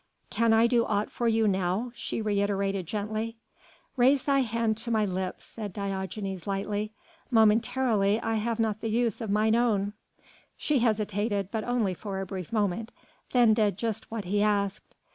"Can I do aught for you now?" she reiterated gently. "Raise thy hand to my lips," said Diogenes lightly; "momentarily I have not the use of mine own." She hesitated, but only for a brief moment, then did just what he asked.